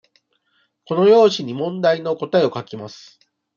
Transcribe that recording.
この用紙に問題の答えを書きます。